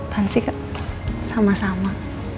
kan sih kak sama sama